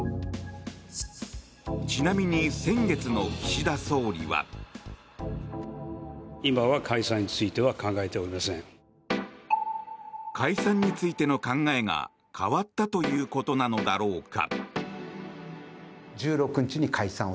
ちなみに、先月の岸田総理は。解散についての考えが変わったということなのだろうか。